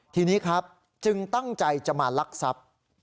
ทีนี้ครับจึงตั้งใจจะมาลักทรัพย์